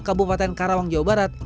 kabupaten karawang jawa barat